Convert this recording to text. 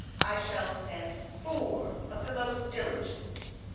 I shall send four of the most diligent."